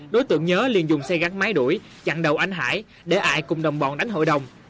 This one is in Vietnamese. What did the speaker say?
đối tượng nhớ liền dùng xe gắn máy đuổi chặn đầu anh hải để ai cùng đồng bọn đánh hội đồng